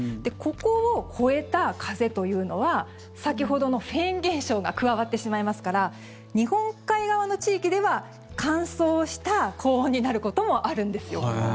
ここを越えた風というのは先ほどのフェーン現象が加わってしまいますから日本海側の地域では乾燥した高温になることもあるんですよ。